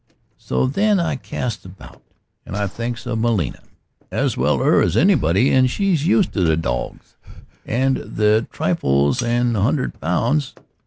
So then I casts about, and I thinks of 'Melia. As well 'er as anybody, and she's used to the dawgs. And the trifle's an hundred pounds.